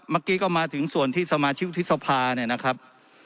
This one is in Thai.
เมื่อกี้ก็มาถึงส่วนที่สมาชิกวุฒิสภาเนี่ยนะครับ